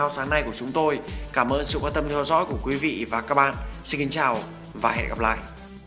xin kính chào và hẹn gặp lại